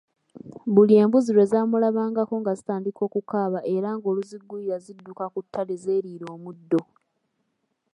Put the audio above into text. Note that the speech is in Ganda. Buli embuzi lwe zaamulabangako nga zitandika okukaaba era ng’oluziggulira zidduka ku ttale zeeriire omuddo.